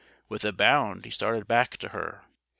With a bound he started back to her.